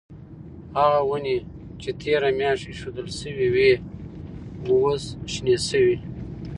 هغه ونې چې تیره میاشت ایښودل شوې وې اوس شنې شوې.